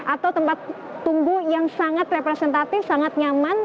atau tempat tunggu yang sangat representatif sangat nyaman